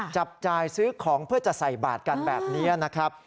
จับจ่ายซื้อของเพื่อจะใส่บาทกันแบบนี้นะครับ